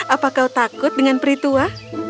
apa kau takut dengan peritua